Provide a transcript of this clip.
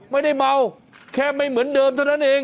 ไม่ได้เมาแค่ไม่เหมือนเดิมเท่านั้นเอง